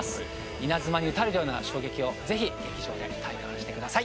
イナズマに打たれたような衝撃をぜひ劇場で体感してください。